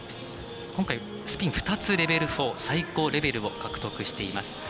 今回スピン２つ、レベル４。最高レベルを獲得しています。